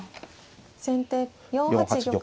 先手４八玉。